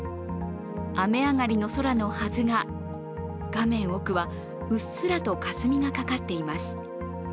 雨上がりの空のはずが画面奥は、うっすらとかすみがかかっています。